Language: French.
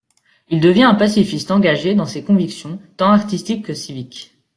Il devient un pacifiste engagé dans ses convictions tant artistiques que civiques.